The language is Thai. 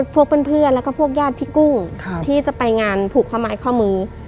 พวกเพื่อนแล้วก็พวกญาติพี่กุ้งที่จะไปงานผูกข้อไม้ข้อมือ